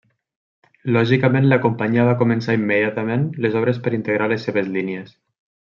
Lògicament la companyia va començar immediatament les obres per integrar les seves línies.